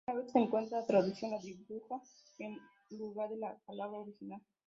Una vez que encuentra la traducción, la dibuja en lugar de la palabra original.